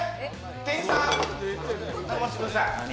店員さん！